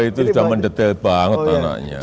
itu sudah mendetail banget anaknya